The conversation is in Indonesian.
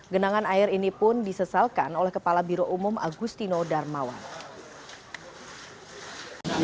genangan air ini pun disesalkan oleh kepala biro umum agustino darmawan